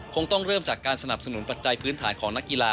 คงต้องเริ่มจากการสนับสนุนปัจจัยพื้นฐานของนักกีฬา